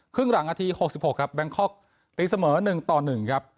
ครึ่งหลังนาทีหกสิบหกครับแบงคอกตีเสมอหนึ่งต่อหนึ่งครับ